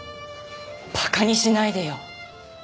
馬鹿にしないでよ。